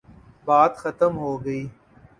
بات ختم ہو گئی۔